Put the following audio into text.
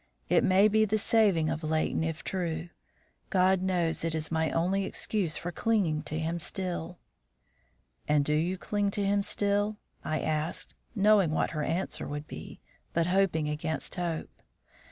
It may be the saving of Leighton, if true; God knows it is my only excuse for clinging to him still." "And you do cling to him still?" I asked, knowing what her answer would be, but hoping against hope.